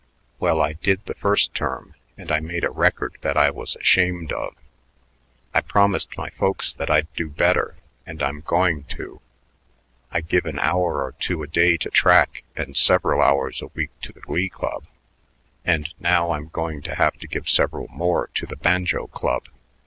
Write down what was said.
Well, I did the first term, and I made a record that I was ashamed of. I promised my folks that I'd do better; and I'm going to. I give an hour or two a day to track and several hours a week to the Glee Club, and now I'm going to have to give several more to the Banjo Club.